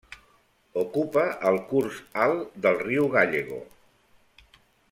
Ocupa el curs alt del riu Gállego.